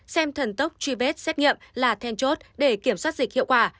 xem thần tốc truy vết xét nghiệm là then chốt để kiểm soát dịch hiệu quả